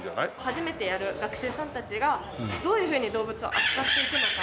初めてやる学生さんたちがどういうふうに動物を扱っていくのか。